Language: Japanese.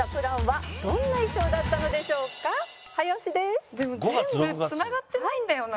でも全部繋がってないんだよな